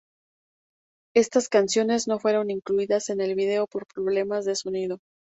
Estas canciones no fueron incluidas en el video por problemas de sonido.